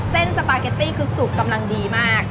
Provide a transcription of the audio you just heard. เส้นสปาร์เกตตี้คือสูบกำลังดีมาก